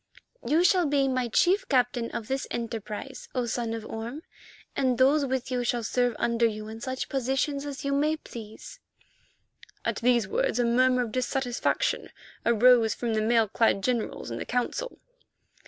"You shall be my chief captain for this enterprise, O Son of Orme, and those with you shall serve under you in such positions as you may please." At these words a murmur of dissatisfaction arose from the mail clad generals in the Council.